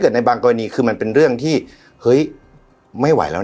ในบางกรณีคือมันเป็นเรื่องที่เฮ้ยไม่ไหวแล้ว